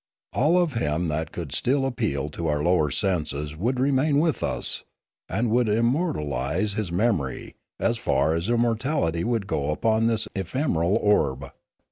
All of him that could still appeal to our lower senses would remain with us, and would immortalise his memory, as far as immortality would go upon this ephemeral orb.